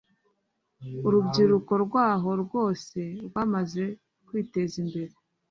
Urubyiruko rwaho rwose rwamaze kwiteza imbere